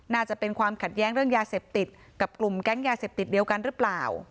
น่าจะเป็นความขัดแย้งเรื่องยาเสพติดกับกลุ่มแก๊งยาเสพติดเดียวกันหรือเปล่า